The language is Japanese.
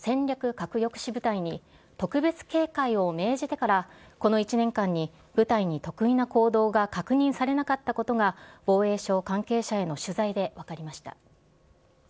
核抑止部隊に、特別警戒を命じてから、この１年間に部隊に特異な行動が確認されなかったことが、防衛省関係者への取材で分かりました。